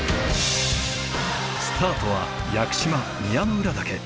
スタートは屋久島宮之浦岳。